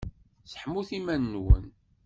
Seḥmut iman-nwen!